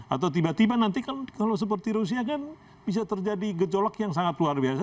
atau tiba tiba nanti kalau seperti rusia kan bisa terjadi gejolak yang sangat luar biasa